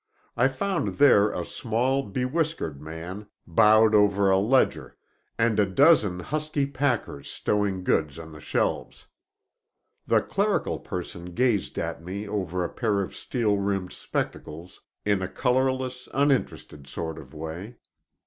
I found there a small, bewhiskered man bowed over a ledger, and a dozen husky packers stowing goods on the shelves. The clerical person gazed at me over a pair of steel rimmed spectacles in a colorless, uninterested sort of way.